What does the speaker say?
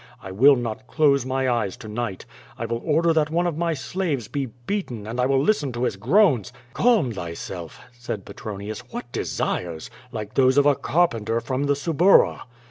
I will not close my eyes to night. I will order that one of my slaves be beaten, and I will listen to his groans —" "Calm th)'self,^* said Petronius. "What desires! Like those of a carpenter from the Suburra."